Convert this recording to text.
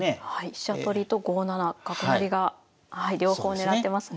飛車取りと５七角成が両方狙ってますね。